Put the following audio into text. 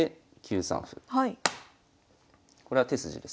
これは手筋です。